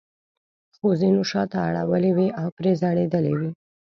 خو ځینو شاته اړولې وې او پرې ځړېدلې وې.